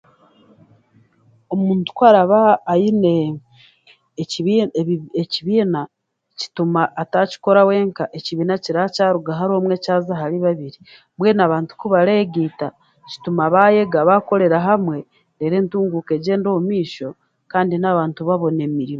Omuntu ku araba aine ekibi, ebi ekibiina kituma ataakikora wenka, ekibiina kiraakyaruga ahari omwe kyaza ahari babiri, mbwenu abantu kubareegaita kituma baayega, baakorera hamwe reero entuguuka egyenda omumaisho kandi n'abantu babona emirimo.